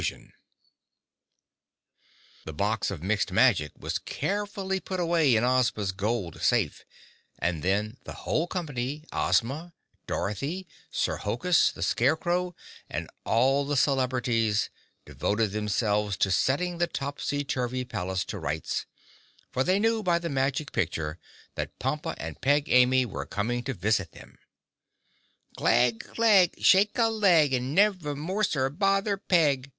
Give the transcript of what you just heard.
[Illustration: (unlabelled)] The box of Mixed Magic was carefully put away in Ozma's gold safe and then the whole company—Ozma, Dorothy, Sir Hokus, the Scarecrow and all the celebrities—devoted themselves to setting the topsy turvy palace to rights, for they knew by the Magic picture that Pompa and Peg Amy were coming to visit them. "Glegg, Glegg, shake a leg And never more, Sir, bother Peg!"